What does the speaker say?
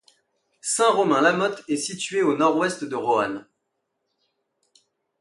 Saint-Romain-la-Motte est située au nord-ouest de Roanne.